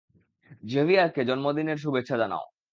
জেভিয়ারকে জন্মদিনের শুভেচ্ছা জানাও।